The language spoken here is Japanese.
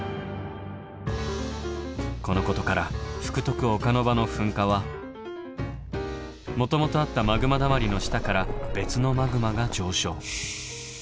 このことから福徳岡ノ場の噴火はもともとあったマグマだまりの下から別のマグマが上昇。